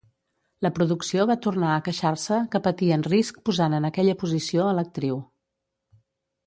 La producció va tornar a queixar-se que patien risc posant en aquella posició a l'actriu.